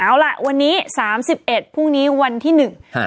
เอาล่ะวันนี้สามสิบเอ็ดพรุ่งนี้วันที่หนึ่ง